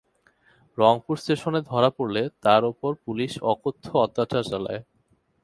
রংপুর স্টেশনে ধরা পড়লে তার ওপর পুলিশ অকথ্য অত্যাচার চালায়।